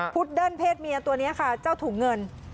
เดิ้ลเพศเมียตัวนี้ค่ะเจ้าถุงเงิน